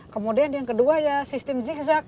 kemudian yang kedua ya sistem zigzag